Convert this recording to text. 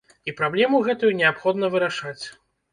І праблему гэтую неабходна вырашаць.